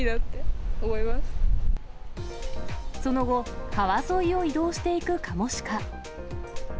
その後、川沿いを移動していくカモシカ。